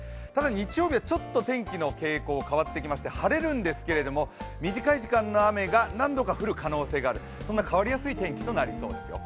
日曜日はちょっと天気の傾向変わってきまして晴れるんですけども、短い時間の雨が何度か降る可能性がある、そんな変わりやすい天気となりそうですよ。